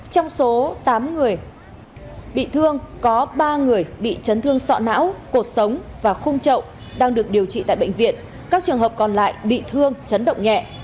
trong số tám người bị thương có ba người bị chấn thương sọ não cuộc sống và khung trậu đang được điều trị tại bệnh viện các trường hợp còn lại bị thương chấn động nhẹ